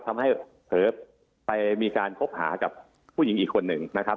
ทำให้เผลอไปมีการคบหากับผู้หญิงอีกคนหนึ่งนะครับ